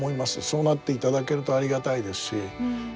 そうなっていただけるとありがたいですし